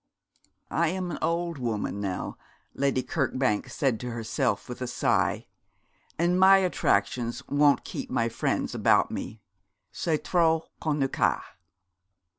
'I am an old woman now,' Lady Kirkbank said to herself with a sigh, 'and my own attractions won't keep my friends about me. C'est trop connu ça.'